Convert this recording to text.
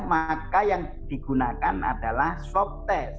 maka yang digunakan adalah swab test